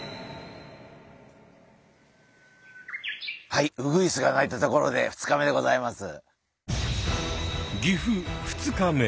はいウグイスが鳴いたところで２日目でございます。